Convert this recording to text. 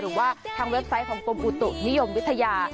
หรือว่าทางเว็บไซต์ของกรมอุตุนิยมวิทยา